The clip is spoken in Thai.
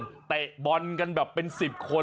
เป็นตะกันบนกันแบบสิบคน